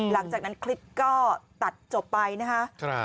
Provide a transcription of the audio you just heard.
หลังจากนั้นคลิปก็ตัดจบไปนะคะ